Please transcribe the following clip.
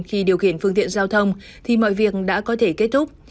khi điều khiển phương tiện giao thông thì mọi việc đã có thể kết thúc